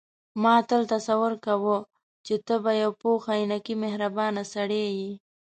ما تل تصور کاوه چې ته به یو پوخ عینکي مهربانه سړی یې.